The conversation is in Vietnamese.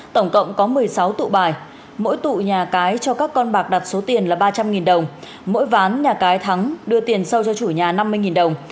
tổng cộng có một mươi sáu tụ bài mỗi tụ nhà cái cho các con bạc đặt số tiền là ba trăm linh đồng mỗi ván nhà cái thắng đưa tiền sâu cho chủ nhà năm mươi đồng